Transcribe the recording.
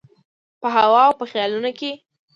په هوا او په خیالونو کي